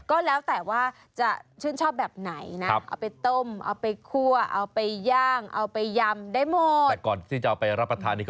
ก็แล้วแต่ว่าจะชื่นชอบแบบไหนนะ